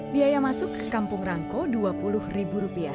biaya masuk ke kampung rangkau dua puluh ribu rupiah